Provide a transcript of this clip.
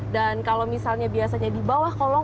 dan kalau misalnya biasanya di bawah kolong